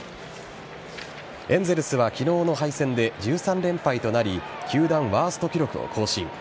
エンゼルスは昨日の敗戦で１３連敗となり球団ワースト記録を更新。